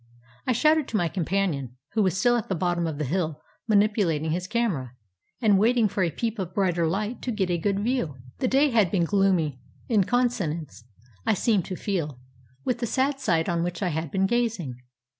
I shouted to my companion, who was still at the bottom of the hill manipulating his camera, and waiting for a peep of brighter Hght to get a good view. The day had been gloomy, in consonance, I seemed to feel, with the sad sight on which I had been gazing.